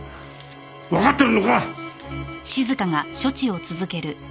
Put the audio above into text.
わかってるのか？